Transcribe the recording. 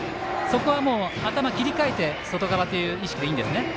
頭を切り替えて外側という意識でいいんですね。